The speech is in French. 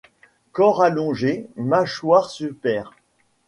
Corps allongé, mâchoire supère.